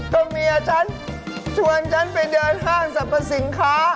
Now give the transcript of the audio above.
ก็เมียฉันชวนฉันไปเดินห้างสรรพสินค้า